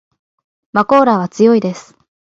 まこーらは強いです